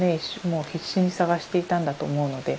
もう必死に探していたんだと思うので。